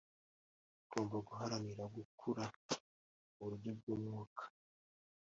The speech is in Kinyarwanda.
Ugomba guhatanira gukura mu buryo bw umwuka